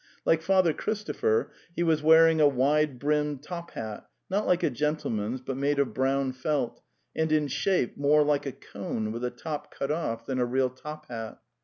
Like Father Christopher he was wearing a wide brimmed top hat, not like a gentleman's, but made of brown felt, and in shape more like a cone with the top cut off than a realtop hat.